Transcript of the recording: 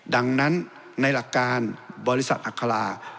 ดังนั้นในหลักการบริษัทอัครา